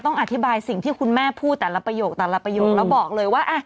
ต้องอธิบายสิ่งที่คุณแม่พูดแต่ละประโยคแล้วบอกเลยว่า